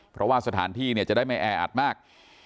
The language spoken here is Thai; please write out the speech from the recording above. เพราะว่าสถานที่เนี่ยจะได้ไม่แออัดมาก